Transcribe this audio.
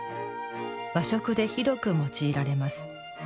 和食で広く用いられます。